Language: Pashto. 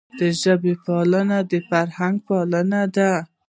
د ژبي پالنه د فرهنګ پالنه ده.